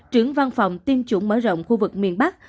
trưởng văn phòng tiêm chủng mở rộng khu vực miền bắc